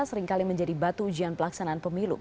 seringkali menjadi batu ujian pelaksanaan pemilu